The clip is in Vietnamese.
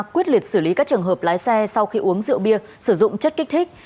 quyết liệt xử lý các trường hợp lái xe sau khi uống rượu bia sử dụng chất kích thích